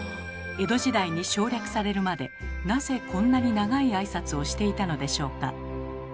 江戸時代に省略されるまでなぜこんなに長い挨拶をしていたのでしょうか？